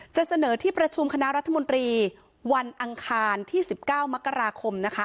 เสนอที่ประชุมคณะรัฐมนตรีวันอังคารที่๑๙มกราคมนะคะ